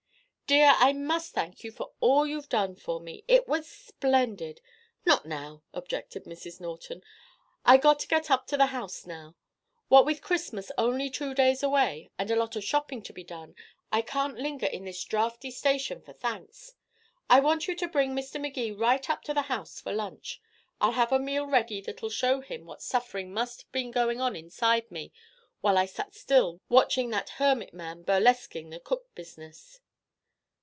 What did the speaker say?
Dear, I must thank you for all you've done for me. It was splendid " "Not now," objected Mrs. Norton. "I got to get up to the house now. What with Christmas only two days away, and a lot of shopping to be done, I can't linger in this drafty station for thanks. I want you to bring Mr. Magee right up to the house for lunch. I'll have a meal ready that'll show him what suffering must have been going on inside me while I sat still watching that hermit man burlesquing the cook business."